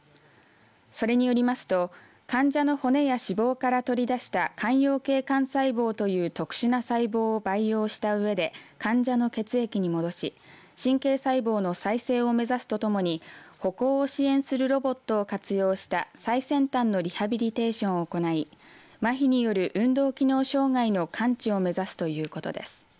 それによりますと患者の骨や脂肪から取り出した間葉系幹細胞という特殊な細胞を培養したうえで患者の血液に戻し神経細胞の再生を目指すとともに歩行を支援するロボットを活用した最先端のリハビリテーションを行いまひによる運動機能障害の完治を目指すということです。